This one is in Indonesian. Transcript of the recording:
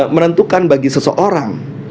menentukan bagi seseorang